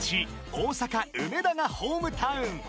大阪梅田がホームタウン］